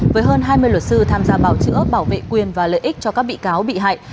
với hơn hai mươi luật sư tham gia bảo chữa bảo vệ quyền và lợi ích cho các bị cáo bị hại